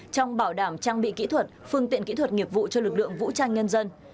trong bảo đảm trang bị kỹ thuật phương tiện kỹ thuật nghiệp vụ cho lực lượng vũ trang nhân dân